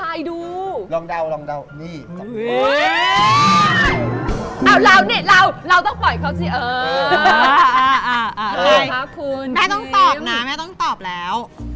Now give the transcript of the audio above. อัธร๗๑แม่ต้องตอบนะอร่อยเย็นต้องตอบแล้ว